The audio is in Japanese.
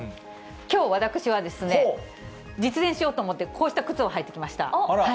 きょう、私はですね、実演しようと思って、こうした靴を履いてきました。